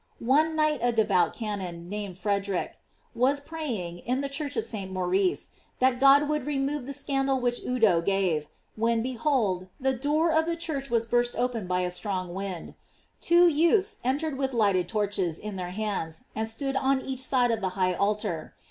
One night a devout canon, named Frederick, was praying, in the church of St. Maurice, that God would remove the scandal which Udo gave; when, behold, the door of the church was burst * Udo cessa de ludo; lusisti satis; Udo. GLORIES OF MART. 801 open by a strong wind. Two youths entered with lighted torches in their hands, ,and stood on each side of the high altar.